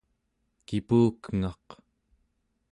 kipukengaq